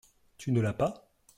Tu ne l'as pas ?